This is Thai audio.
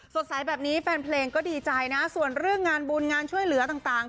สายแบบนี้แฟนเพลงก็ดีใจนะส่วนเรื่องงานบุญงานช่วยเหลือต่าง